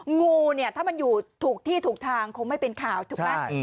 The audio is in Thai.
งูเนี่ยถ้ามันอยู่ถูกที่ถูกทางคงไม่เป็นข่าวถูกไหม